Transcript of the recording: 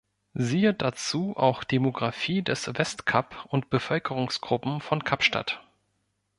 Siehe dazu auch Demografie des Westkap und Bevölkerungsgruppen von Kapstadt.